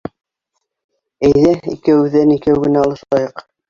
Әйҙә, икәүҙән-икәү генә алышайыҡ.